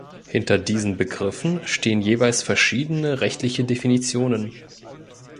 Hinter diesen Begriffen stehen jeweils verschiedene rechtliche Definitionen.